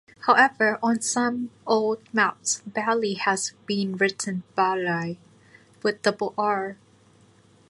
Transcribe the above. However, on some old maps Barile has been written "Barrile", with a double "r".